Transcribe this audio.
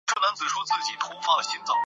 土壤水分传感器。